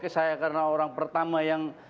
saya karena orang pertama yang